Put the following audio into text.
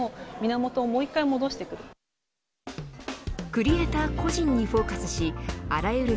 クリエイター個人にフォーカスしあらゆる